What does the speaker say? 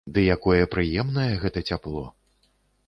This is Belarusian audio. Ды якое прыемнае гэта цяпло!